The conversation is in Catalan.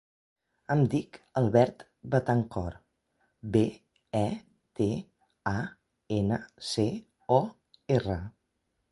Em dic Albert Betancor: be, e, te, a, ena, ce, o, erra.